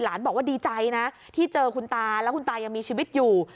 บอกว่าดีใจนะที่เจอคุณตาแล้วคุณตายังมีชีวิตอยู่